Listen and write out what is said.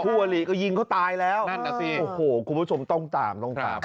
ฮัวหลีก็ยิงเขาตายแล้วคุณผู้ชมต้องตาม